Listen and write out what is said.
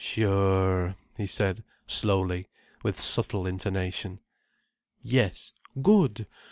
"Sure," he said slowly, with subtle intonation. "Yes. Good!